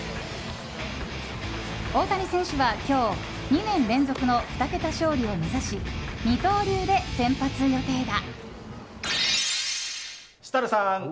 大谷選手は今日２年連続の２桁勝利を目指し二刀流で先発予定だ。